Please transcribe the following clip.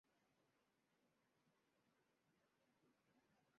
再任监督出洋肄业事宜。